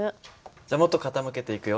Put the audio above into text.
じゃもっと傾けていくよ。